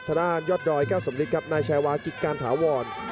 ทะดานยอดดอยแก้วสมฤทธิ์ครับนายชายวาคิดการถาวร